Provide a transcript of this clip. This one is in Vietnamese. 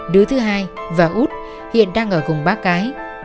đứa thứ hai và út hiện đang ở cùng bác cái